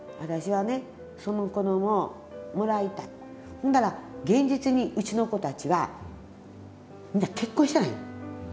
ほんだら現実にうちの子たちはみんな結婚してない。